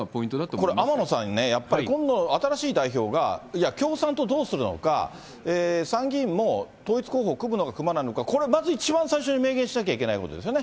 これ、天野さんね、今度、新しい代表が共産党どうするのか、参議院も統一候補を組むのか、組まないのか、これまず一番最初に明言しなきゃいけないことですよね。